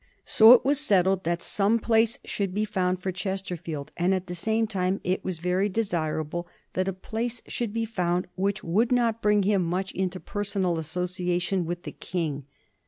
So it was settled that some place should be found for Chesterfield, and at the same time it was very desirable that a place should be found which would not bring him much into personal association with the King.